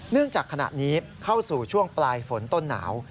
จากขณะนี้เข้าสู่ช่วงปลายฝนต้นหนาว